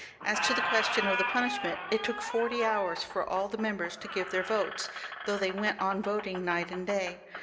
As to the question of the punishment, it took forty hours for all the members to give their votes, though they went on voting night and day.